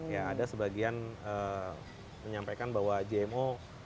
ya ada sebagian menyampaikan bahwa jmo